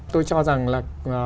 tôi cho rằng là